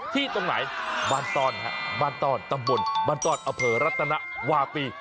ตรงไหนบ้านต้อนฮะบ้านต้อนตำบลบ้านต้อนอำเภอรัตนวาปี